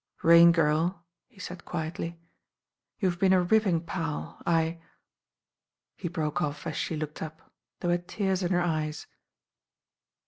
"Rain^irl," he said quietly, "you have been t ripping pal, I " he broke off as she looked up. There were tears in her eyes.